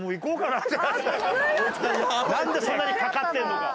なんでそんなにかかってるのか。